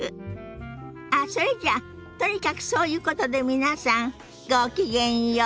あっそれじゃとにかくそういうことで皆さんごきげんよう。